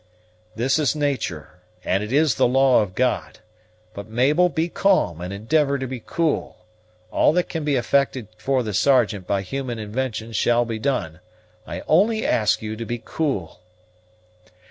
"This is natur', and it is the law of God. But, Mabel, be calm, and endivor to be cool. All that can be effected for the Sergeant by human invention shall be done. I only ask you to be cool."